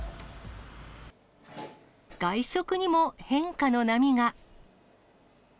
外食にも変化の波が。